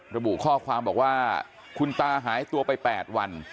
ระบุข้อความบอกว่าคุณตาหายตัวไป๘วัน